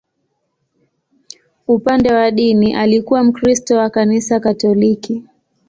Upande wa dini, alikuwa Mkristo wa Kanisa Katoliki.